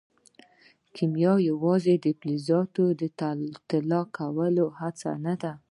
کیمیا یوازې د فلزاتو د طلا کولو هڅه نه وه.